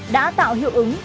đã tạo hiệu ứng